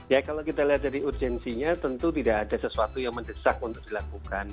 ya kalau kita lihat dari urgensinya tentu tidak ada sesuatu yang mendesak untuk dilakukan